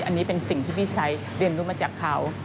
อันนี้เป็นสิ่งที่พี่ชัยเรียนรู้มาจากเขา